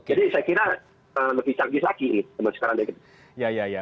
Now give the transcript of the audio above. kalau ada yang mau mencoba coba di tempat sekarang